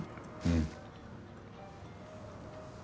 うん。